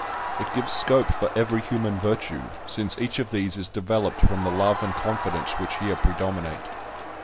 It gives scope for every human virtue, since each of these is developed from the love and confidence which here predominate.